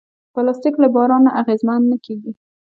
پلاستيک له باران نه اغېزمن نه کېږي.